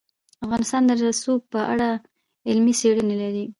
افغانستان د رسوب په اړه علمي څېړنې لري.